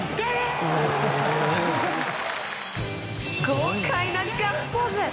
豪快なガッツポーズ！